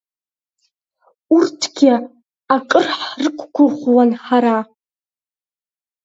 Урҭгьы акыр ҳрықәгәыӷуан ҳара.